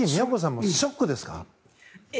京さんもショックですか？